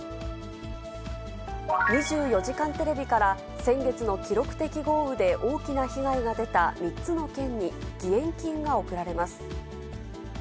２４時間テレビから、先月の記録的豪雨で大きな被害が出た３つの県に、義援金が送られます。